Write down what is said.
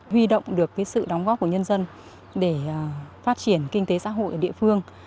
huy động được sự đóng góp của nhân dân để phát triển kinh tế xã hội ở địa phương